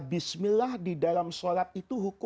bismillah di dalam sholat itu